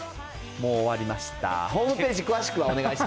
もう終わりました。